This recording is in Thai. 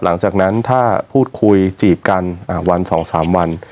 หลังจากนั้นถ้าพูดคุยจีบกันวัน๒๓วัน